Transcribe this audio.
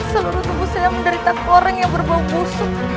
seluruh tubuh saya menderita koreng yang berbau busuk